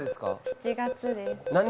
７月です。